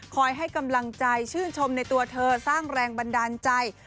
ให้กำลังใจชื่นชมในตัวเธอสร้างแรงบันดาลใจ